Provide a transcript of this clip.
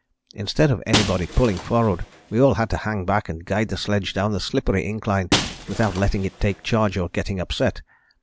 Instead of anybody pulling forward we all had to hang back and guide the sledge down the slippery incline without letting it take charge or getting upset.